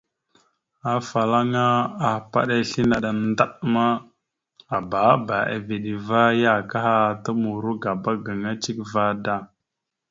Afalaŋa ahpaɗá islé naɗ a ndaɗ ma, aababa a veɗ ava ya akaha ta muro agaba gaŋa cek vaɗ da.